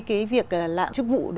cái việc lạm chức vụ